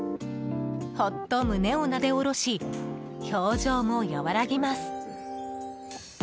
ほっと胸をなでおろし表情も和らぎます。